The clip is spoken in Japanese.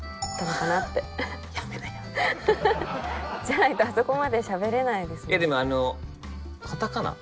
じゃないとあそこまでしゃべれないです。